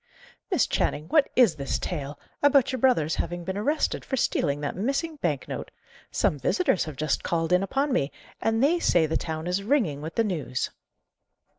"Miss Channing, what is this tale, about your brother's having been arrested for stealing that missing bank note? Some visitors have just called in upon me, and they say the town is ringing with the news."